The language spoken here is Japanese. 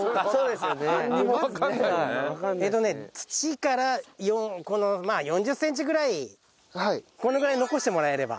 えっとね土からまあ４０センチぐらいこのぐらい残してもらえれば。